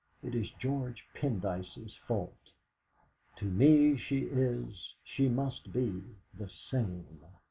'It is George Pendyce's fault. To me she is, she must be, the same!'